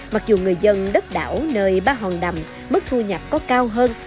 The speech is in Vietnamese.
mặc dù người dân đất đảo nơi ba hòn đầm mức thu nhập có cao hơn